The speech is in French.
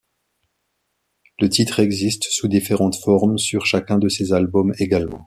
Le titre existe sous différentes formes sur chacun de ses albums également.